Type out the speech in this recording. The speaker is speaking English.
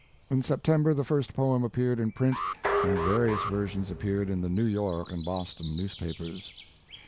In September the first poem appeared in print and various versions appeared in the New York and Boston newspapers.